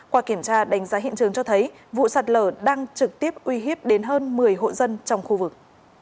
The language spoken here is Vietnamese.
qua kiểm tra đánh giá hiện trường cho thấy vụ sạt lở đang trực tiếp uy hiếp đến hơn một mươi hộ dân trong khu vực